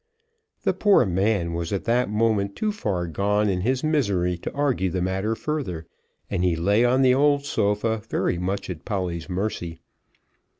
The poor man was at that moment too far gone in his misery to argue the matter further, and he lay on the old sofa, very much at Polly's mercy.